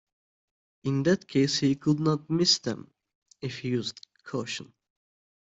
In that case he could not miss them, if he used caution.